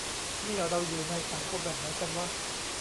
นี่เราอยู่ในสังคมแบบไหนกันวะ